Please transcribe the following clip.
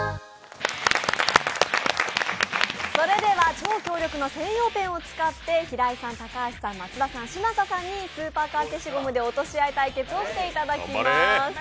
超強力な専用ペンを使って平井さん、高橋さん、松田さん、嶋佐さんにスーパーカー消しゴムで落とし合い対決をしていただきます。